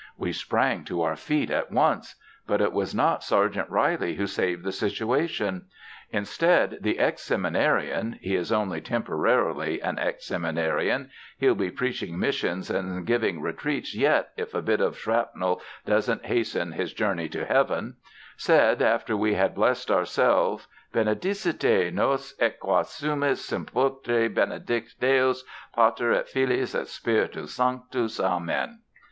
We sprang to our feet at once. But it was not Sergeant Reilly who saved the situation. Instead, the ex seminarian (he is only temporarily an ex seminarian; he'll be preaching missions and giving retreats yet if a bit of shrapnel doesn't hasten his journey to Heaven) said, after we had blessed ourselves: "Benedicite; nos et quae sumus sumpturi benedicat Deus, Pater et Filius et Spiritus Sanctus. Amen."